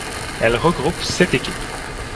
Elle regroupe sept équipes.